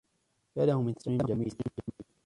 يا له من تصميمٍ جميل!